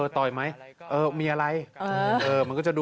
ต่อยไหมมีอะไรก็ก็